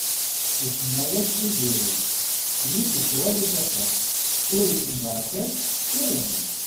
Isemma-yas Tiziri, yiss ittwali tafat. Ur ittemderkal ur iɣelli.